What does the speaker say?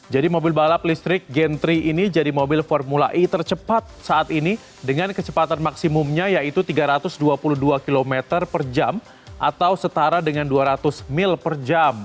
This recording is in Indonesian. mobil balap listrik gentry ini jadi mobil formula e tercepat saat ini dengan kecepatan maksimumnya yaitu tiga ratus dua puluh dua km per jam atau setara dengan dua ratus mil per jam